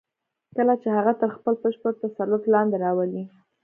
کله چې هغه تر خپل بشپړ تسلط لاندې راولئ.